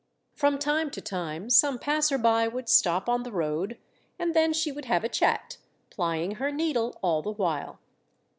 From time to time some passer by would stop on the road, and then she would have a chat, plying her needle all the while.